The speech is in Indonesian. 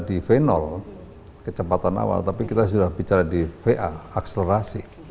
kita sudah di v kecepatan awal tapi kita sudah bicara di va akselerasi